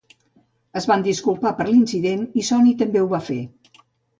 Es van disculpar per l'incident, i Sony també ho va fer.